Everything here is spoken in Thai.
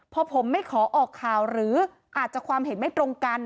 พอผมไม่ขอออกข่าวหรืออาจจะความเห็นไม่ตรงกัน